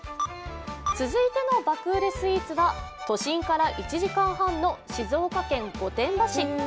続いての爆売れスイーツは、都心から１時間半の静岡県御殿場市。